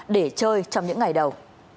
để chơi trong những ngày đầu